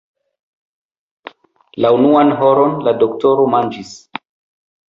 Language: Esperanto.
La unuan horon la doktoro manĝis.